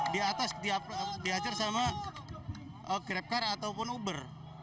di atas diajar sama grabcar ataupun uber